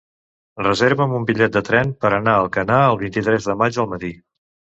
Reserva'm un bitllet de tren per anar a Alcanar el vint-i-tres de maig al matí.